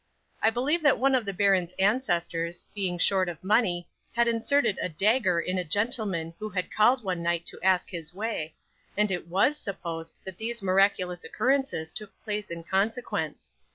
I believe that one of the baron's ancestors, being short of money, had inserted a dagger in a gentleman who called one night to ask his way, and it WAS supposed that these miraculous occurrences took place in consequence.